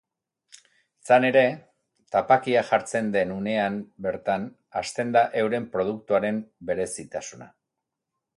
Izan ere, tapakia jartzen den unean bertan hasten da euren produktuaren berezitasuna.